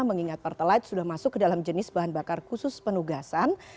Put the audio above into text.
mengingat pertelit sudah masuk ke dalam jenis bahan bakar khusus penugasan